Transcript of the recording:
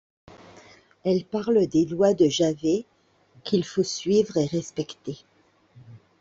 Elle parle des lois de Yahweh qu'il faut suivre et respecter.